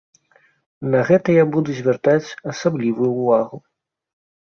На гэта я буду звяртаць асаблівую ўвагу.